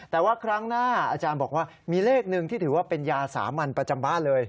แต่ว่าครั้งหน้าอาจารย์บอกว่ามีเลขหนึ่งที่ถือว่าเป็นยาสามัญประจำบ้านเลย